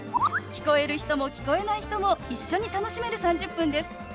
聞こえる人も聞こえない人も一緒に楽しめる３０分です。